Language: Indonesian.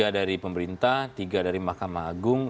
tiga dari pemerintah tiga dari mahkamah agung